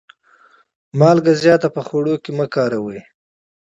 مالګه زیاته په خوړو کي مه کاروئ.